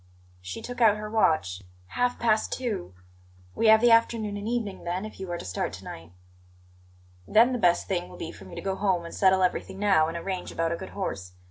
She took out her watch. "Half past two. We have the afternoon and evening, then, if you are to start to night." "Then the best thing will be for me to go home and settle everything now, and arrange about a good horse.